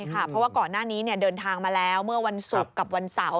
เพราะว่าก่อนหน้านี้เดินทางมาแล้วเมื่อวันศุกร์กับวันเสาร์